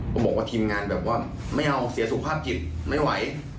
ก็บอกว่าทีมงานแบบว่าไม่เอาเสียสุขภาพจิตไม่ไหว